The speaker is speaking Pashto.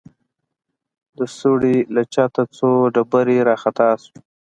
د سوړې له چته څو ډبرې راخطا سوې.